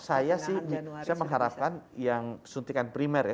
saya sih saya mengharapkan yang suntikan primer ya